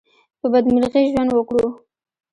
په بدمرغي ژوند وکړو.